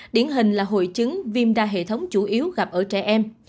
điển hình là hội chứng viêm đa hệ thống chủ yếu gặp ở trẻ em